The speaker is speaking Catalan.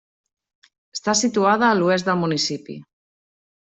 Està situada a l'oest del municipi.